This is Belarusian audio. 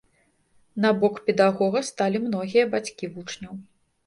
На бок педагога сталі многія бацькі вучняў.